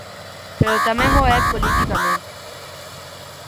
Pero tamén o é politicamente.